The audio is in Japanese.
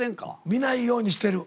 見ないようにしてる。